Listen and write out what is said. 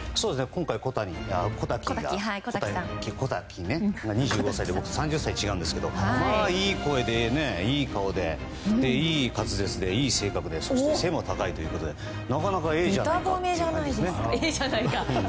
今回、小瀧が２５歳で僕３０歳違うんですけどまあいい声でいい顔でいい滑舌でいい性格で背も高いということでなかなかええじゃないかと。